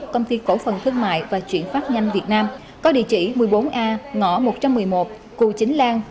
công ty cổ phần thương mại và chuyển phát nhanh việt nam có địa chỉ một mươi bốn a ngõ một trăm một mươi một cù chính lan